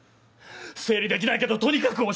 整理できないけどとにかく押し殺して。